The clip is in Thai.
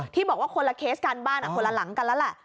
ที่บอกว่าคนละเคสกันบ้านคนละหลังกันแล้วแหละ